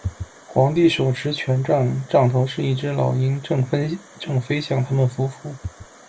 皇帝手持权杖，杖头是一只老鹰，正飞向他们夫妇。